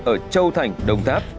ở châu thành đồng tháp